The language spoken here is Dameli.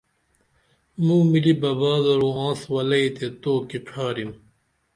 موملی ببا درو آنس ولئ تے تو کی ڇھاریم